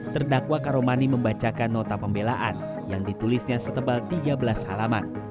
terdakwa karomani membacakan nota pembelaan yang ditulisnya setebal tiga belas halaman